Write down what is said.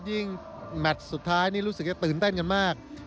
แมทสุดท้ายนี่รู้สึกจะตื่นเต้นกันมาก